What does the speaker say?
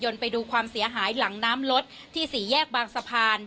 ไปดูความเสียหายหลังน้ำลดที่สี่แยกบางสะพาน